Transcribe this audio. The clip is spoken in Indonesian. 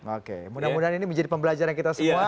oke mudah mudahan ini menjadi pembelajaran kita semua